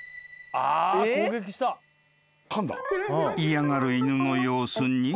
［嫌がる犬の様子に］